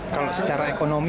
kalau secara ekonomi